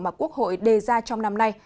mà quốc hội đề ra trong năm nay